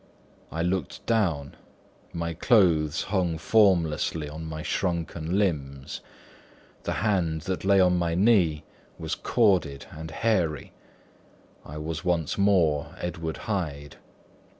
I looked down; my clothes hung formlessly on my shrunken limbs; the hand that lay on my knee was corded and hairy. I was once more Edward Hyde.